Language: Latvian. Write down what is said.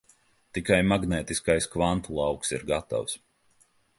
Tikai magnētiskais kvantu lauks ir gatavs.